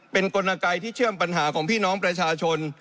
เป็นกลไกที่เชื่อมปัญหาของพี่น้องประชาชน